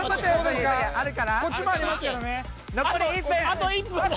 ◆あと１分だ。